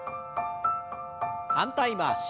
反対回し。